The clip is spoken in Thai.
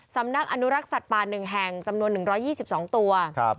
สำนักอนุรักษ์สัตว์ป่า๑แห่งจำนวน๑๒๒ตัว